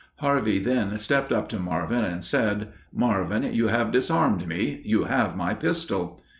Harvey then stepped up to Marvin and said: "Marvin you have disarmed me; you have my pistol."